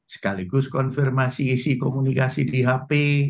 sekaligus konfirmasi isi komunikasi di hp